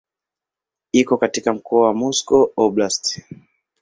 Iko katika mkoa wa Moscow Oblast.